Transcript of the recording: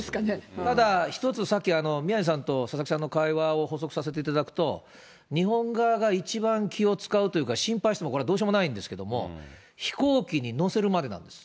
ただ、一つさっき、宮根さんと佐々木さんの会話を補足させていただくと、日本側が一番気を遣うというか、心配してもこれはどうしようもないんですけども、飛行機に乗せるまでなんです。